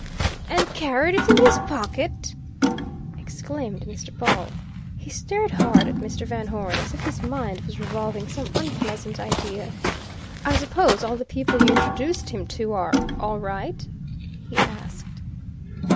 "And carried it in his pocket!" exclaimed Mr. Pawle. He stared hard at Mr. Van Hoeren, as if his mind was revolving some unpleasant idea. "I suppose all the people you introduced him to are all right?" he asked.